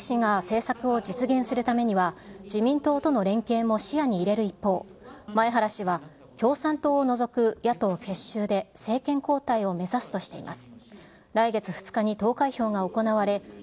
玉木氏が政策を実現するためには、自民党との連携も視野に入れる一方、前原氏は、共産党を除く野党結集で政権交代を目指すとしています。